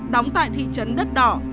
đóng tại thị trấn đất đỏ